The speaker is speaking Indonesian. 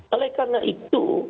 oleh karena itu